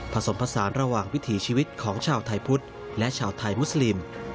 ผสมผสานระหว่างวิถีชีวิตของชาวไทยพุทธและชาวไทยมุสลิม